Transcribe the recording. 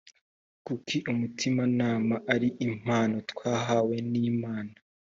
kuki umutimanama ari impano twahawe n imana